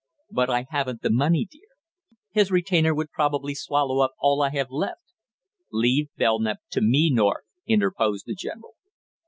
"But I haven't the money, dear. His retainer would probably swallow up all I have left." "Leave Belknap to me, North!" interposed the general.